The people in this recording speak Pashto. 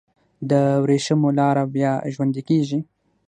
د وریښمو لاره بیا ژوندی کیږي؟